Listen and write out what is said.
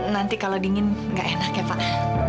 nanti kalau dingin nggak enak ya pak